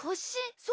そう。